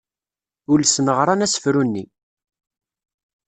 Ulsen ɣran asefru-nni.